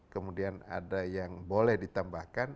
kemudian ada yang boleh ditambahkan